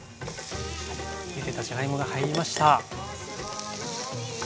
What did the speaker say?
ゆでたじゃがいもが入りました。